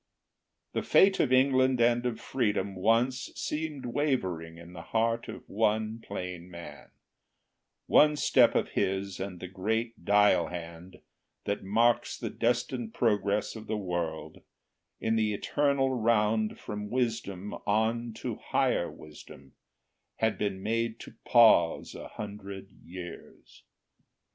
The fate of England and of freedom once Seemed wavering in the heart of one plain man, One step of his and the great dial hand, That marks the destined progress of the world In the eternal round from wisdom on To higher wisdom, had been made to pause A hundred years.